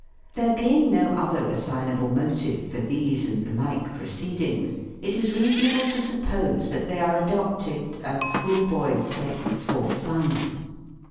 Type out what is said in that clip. There being no other assignable motive for these and the like proceedings, it is reasonable to suppose that they are adopt ed, as schoolboys say, " for fun."